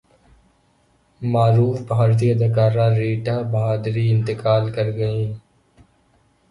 معروف بھارتی اداکارہ ریٹا بہادری انتقال کرگئیں